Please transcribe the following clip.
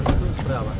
itu sebenarnya pak